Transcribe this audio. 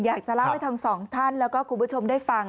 อยากจะเล่าให้ทั้งสองท่านแล้วก็คุณผู้ชมได้ฟัง